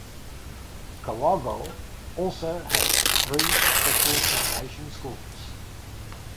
Kawagoe also has three special education schools.